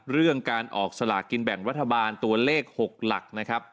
เรื่องการออกสลากกินแบ่งรัฐบาลตัวเลข๖หลักนะครับ